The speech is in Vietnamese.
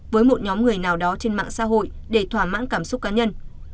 với một nhóm người nào đó trên mạng xã hội để thỏa mãn cảm xúc cá nhân